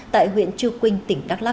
tại huyện trư quynh tỉnh đắk lắk